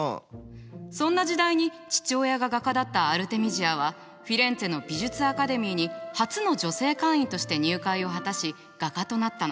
そんな時代に父親が画家だったアルテミジアはフィレンツェの美術アカデミーに初の女性会員として入会を果たし画家となったの。